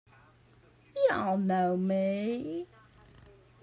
You all know me!